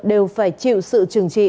đều phải chịu sự trừng trị